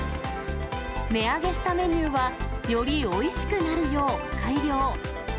値上げしたメニューは、よりおいしくなるよう改良。